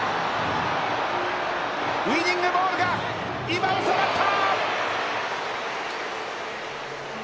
ウイニングボールが今、おさまった！